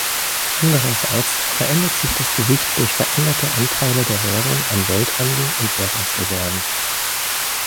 Andererseits verändert sich das Gewicht durch veränderte Anteile der Währung an Welthandel und Währungsreserven.